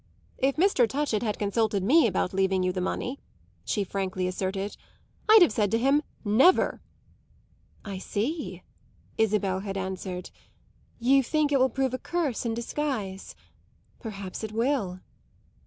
"If Mr. Touchett had consulted me about leaving you the money," she frankly asserted, "I'd have said to him 'Never!" "I see," Isabel had answered. "You think it will prove a curse in disguise. Perhaps it will."